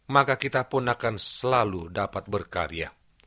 maka kita pun akan selalu dapat berkarya